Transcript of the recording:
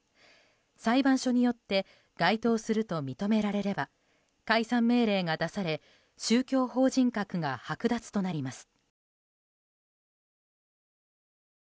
裁判所によって該当すると認められれば解散命令が出され宗教法人格がはく奪となります。